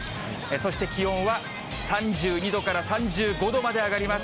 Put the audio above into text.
そして気温は３２度から３５度まで上がります。